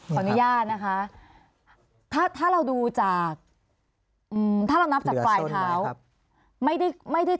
ขออนุญาตนะคะถ้าเราดูจากถ้าเรานับจากปลายเท้าไม่ได้